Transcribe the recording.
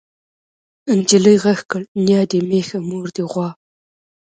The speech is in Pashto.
نجلۍ غږ کړ نيا دې مېښه مور دې غوا.